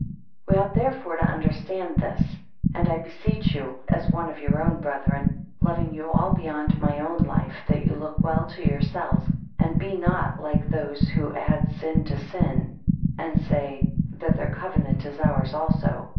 7 We ought therefore to understand this also: And I beseech you, as one of your own brethren, loving you all beyond my own life, that you look well to yourselves, and be not like to those who add sin to sin, and say; That their covenant is ours also.